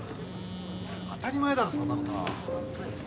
当たり前だろそんな事。